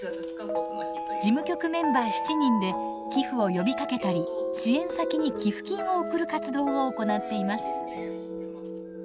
事務局メンバー７人で寄付を呼びかけたり支援先に寄付金を送る活動を行っています。